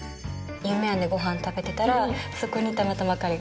夢庵でごはん食べてたらそこにたまたま彼がいて。